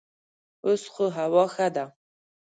اوس خو هوا ښه ده.